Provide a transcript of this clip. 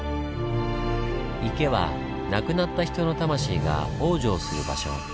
池は亡くなった人の魂が往生する場所。